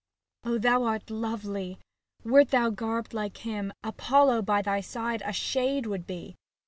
O thou art lovely ! wert thou garbed like him, Apollo by thy side a shade would be.